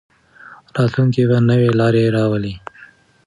راتلونکی به نوې لارې راولي.